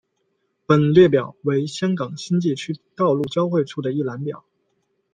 本列表为香港新界区道路交汇处的一览表。